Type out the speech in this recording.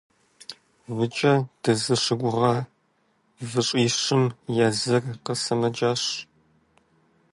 Выкӏэ дызыщыгугъа выщӏищым языр къэсымэджащ.